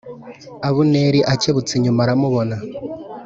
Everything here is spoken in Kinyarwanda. Abuneri akebutse inyuma aramubona